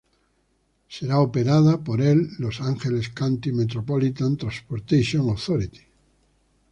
Será operada por el Los Angeles County Metropolitan Transportation Authority.